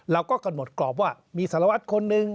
เราก็กำหนดกรอบว่ามีสารวัตรคนหนึ่ง